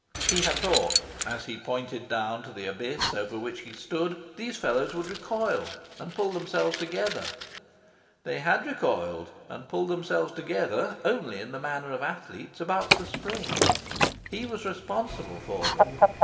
He had thought, as he pointed down to the abyss over which he stood, these fellows would recoil, and pull themselves together. They had recoiled, and pulled themselves together, only in the manner of athletes about to spring. He was responsible for them.